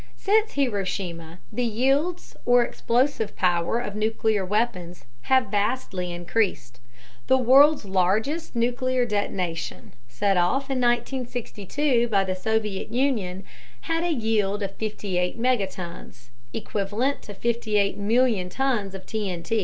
Since Hiroshima, the yields or explosive power of nuclear weapons have vastly increased. The world's largest nuclear detonation, set off in 1962 by the Soviet Union, had a yield of 58 megatons equivalent to 58 million tons of TNT.